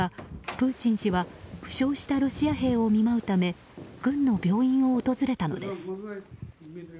プーチン氏は負傷したロシア兵を見舞うため軍の病院を訪れたのです。